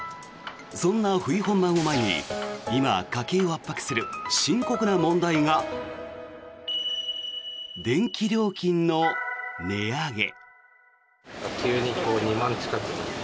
そんな冬本番を前に今、家計を圧迫する深刻な問題が電気料金の値上げ。